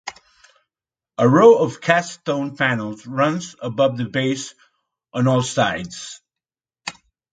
A row of cast stone panels runs above the base on all sides.